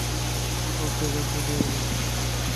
ওকে ব্যথা দিও না।